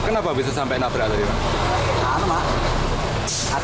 kenapa bisa sampai nabrak tadi pak